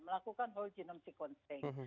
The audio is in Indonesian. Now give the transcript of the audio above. melakukan whole genome sequencing